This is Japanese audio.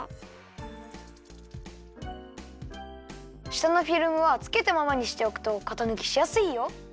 したのフィルムはつけたままにしておくとかたぬきしやすいよ。